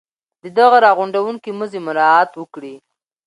د دغه را غونډوونکي مزي مراعات وکړي.